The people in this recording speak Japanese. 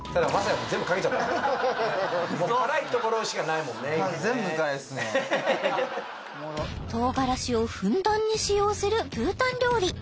今ね唐辛子をふんだんに使用するブータン料理